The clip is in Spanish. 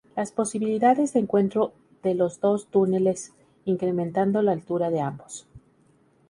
Las posibilidades de encuentro de los dos túneles, incrementando la altura de ambos.